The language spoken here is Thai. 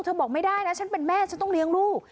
บอกไม่ได้นะฉันเป็นแม่ฉันต้องเลี้ยงลูก